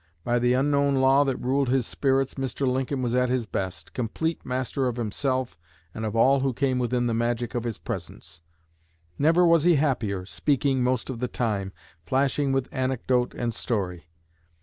By the unknown law that ruled his spirits, Mr. Lincoln was at his best, complete master of himself and of all who came within the magic of his presence. Never was he happier, speaking most of the time, flashing with anecdote and story.